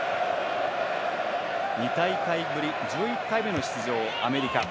２大会ぶり１１回目の出場アメリカ。